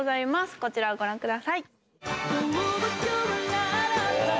こちらをご覧ください。